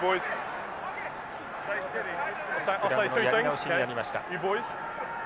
スクラムのやり直しになりました。